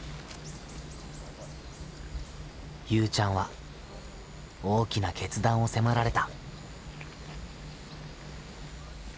ゆうちゃんは大きな決断を迫られた。